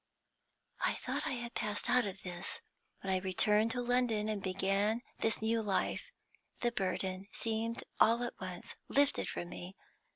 "I thought I had passed out of this. When I returned to London, and began this new life, the burden seemed all at once lifted from me.